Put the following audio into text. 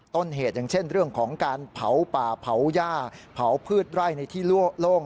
ต้นเหตุอย่างเช่นเรื่องของการเผาป่าเผาย่าเผาพืชไร่ในที่โล่ง